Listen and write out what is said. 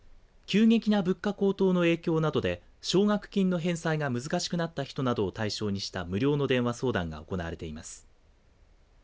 急激な物価高騰の影響などで奨学金の返済が難しくなった人などを対象にした無料の電話相談が行われています。